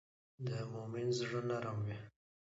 د مؤمن زړه نرم وي.